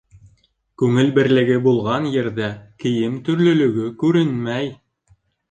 Күңел берлеге булған ерҙә кейем төрлөлөгө күренмәй.